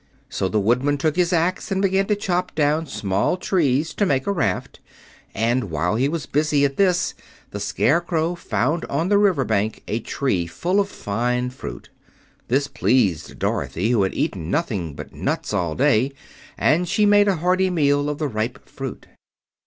So the Woodman took his axe and began to chop down small trees to make a raft, and while he was busy at this the Scarecrow found on the riverbank a tree full of fine fruit. This pleased Dorothy, who had eaten nothing but nuts all day, and she made a hearty meal of the ripe fruit.